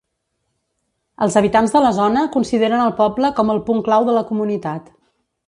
Els habitants de la zona consideren el poble com el punt clau de la comunitat.